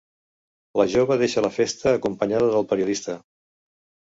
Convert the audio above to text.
La jove deixa la festa acompanyada del periodista.